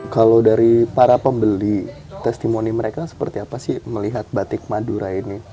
kalau dari para pembeli testimoni mereka seperti apa sih melihat batik madura ini